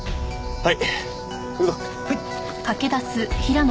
はい。